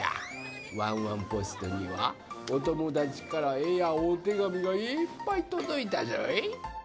ワンワンポストにはおともだちからえやおてがみがいっぱいとどいたぞい。